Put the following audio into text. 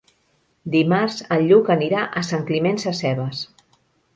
Dimarts en Lluc anirà a Sant Climent Sescebes.